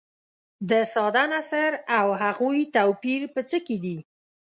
د ساده نثر او هغوي توپیر په څه کې دي.